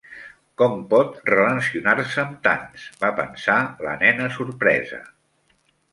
"Com pot relacionar-se amb tants?" va pensar la nena sorpresa.